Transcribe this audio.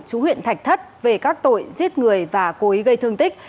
chú huyện thạch thất về các tội giết người và cố ý gây thương tích